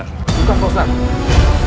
suka pak ustadz